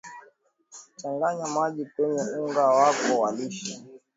Changanya maji kwenye unga wako wa lishe